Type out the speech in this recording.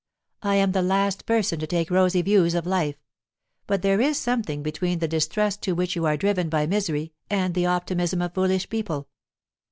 "I am the last person to take rosy views of life. But there is something between the distrust to which you are driven by misery and the optimism of foolish people."